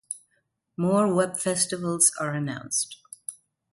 More web festivals are announced.